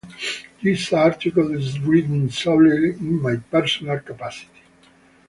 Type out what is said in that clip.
This article is written solely in my personal capacity.